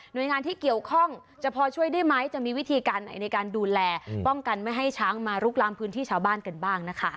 โดยงานที่เกี่ยวข้องจะพอช่วยได้ไหมจะมีวิธีการไหนในการดูแลป้องกันไม่ให้ช้างมาลุกล้ำพื้นที่ชาวบ้านกันบ้างนะคะ